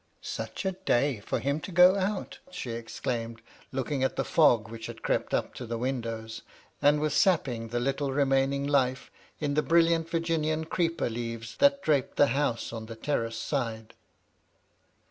" Such a day for him to go out !" she exclaimed, looking at the fog which had crept up to the windows, and was sapping the little remaining life in the brilliant MY LADY LUDLOW. 263 Virginian creeper leaves that draperied the house on the terrace side.